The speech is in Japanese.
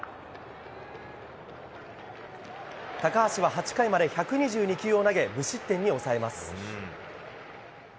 高橋は８回まで１２２球を投げ無失点に抑えます。